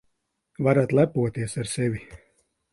Varat lepoties ar sevi.